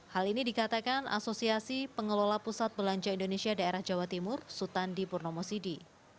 hal ini dikatakan asosiasi pengelola pusat belanja indonesia daerah jawa timur sutandi purnomo sidi